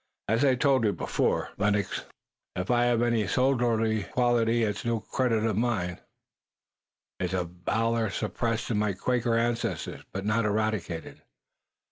"As I've told you before, Lennox, if I have any soldierly quality it's no credit of mine. It's a valor suppressed in my Quaker ancestors, but not eradicated."